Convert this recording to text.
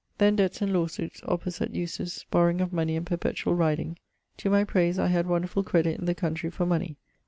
Then debts and lawe suites, opus et usus, borrowing of money and perpetuall riding. To my prayse, wonderfull credit in the countrey for money.